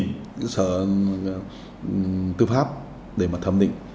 rồi thì chúng tôi mới chỉnh sở tư pháp để mà thẩm định